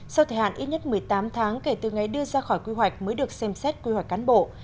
sau thời hạn ít nhất một mươi tám tháng kể từ ngày đưa ra khỏi quy hoạch mới được xem xét quy hoạch cán bộ